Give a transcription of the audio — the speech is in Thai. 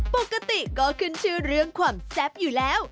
ปกติก็ขึ้นชื่อเรื่องความแซ่บอยู่แล้ว